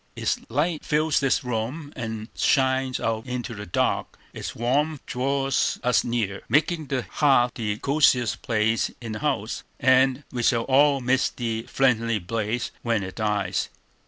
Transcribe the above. Its light fills the room and shines out into the dark; its warmth draws us nearer, making the hearth the cosiest place in the house, and we shall all miss the friendly blaze when it dies.